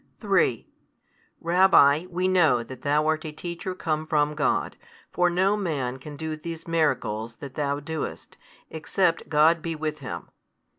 |167 3, Rabbi, we know that Thou art a Teacher come from God; for no man can do these miracles that Thou doest, except God be with him.